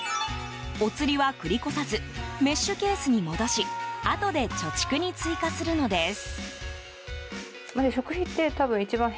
お釣りは繰り越さずメッシュケースに戻しあとで貯蓄に追加するのです。